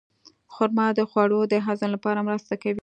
خرما د خوړو د هضم لپاره مرسته کوي.